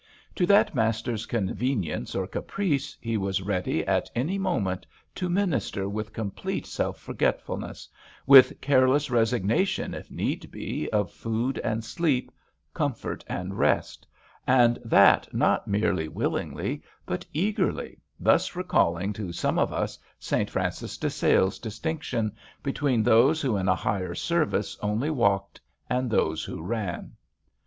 To that master's convenience or caprice he was ready at any moment to minister with complete self forgetfulness, with careless resignation, if need be, of food and sleep, comfort and rest, and that not merely willingly but eagerly, thus recalling i6 HARKAWAY to some of us St. Francis de Sales' distinction between those who in a Higher Service only walked and those who ran.